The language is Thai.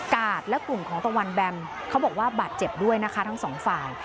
กาดและกลุ่มของตะวันแบมบาดเจ็บด้วยทั้งสองฝ่าย